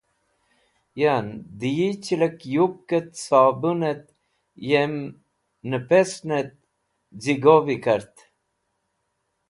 Yan, dẽ yi chilek yupk et sobun et yem nẽbesn et z̃higo’vi kart.